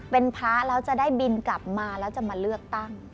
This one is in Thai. เป็นพระแล้วจะได้บินกลับมาแล้วจะมาเลือกตั้ง